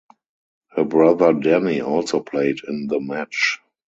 Her brother Danny also played in the match.